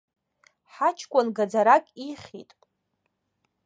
Ҳаҷкәын гаӡарак ихьит.